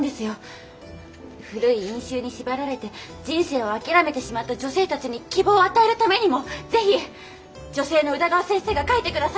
古い因習に縛られて人生を諦めてしまった女性たちに希望を与えるためにも是非女性の宇田川先生が書いて下さい！